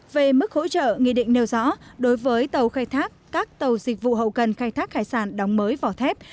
về mức hỗ trợ nghị định nêu rõ đối với tàu khai thác các tàu dịch vụ hậu cần khai thác hải sản đóng mới vỏ thép